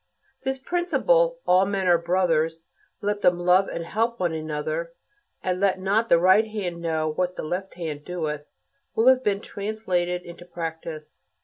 This principle: All men are brothers; let them love and help one another, and let not the right hand know what the left hand doeth, will have been translated into practise.